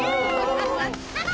ハハハハ。